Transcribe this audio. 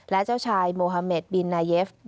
และเจ้าชายโมฮาเมดบินนายเยฟ